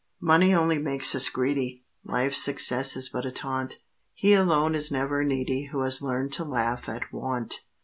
Money only makes us greedy, Life's success is but a taunt. He alone is never needy Who has learned to laugh at want.